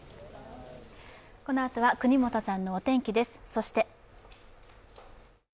このあとは國本さんのお天気です。